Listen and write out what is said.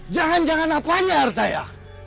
jangan jangan apanya artaya